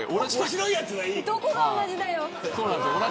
どこが同じだよ。